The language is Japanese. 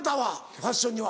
ファッションには。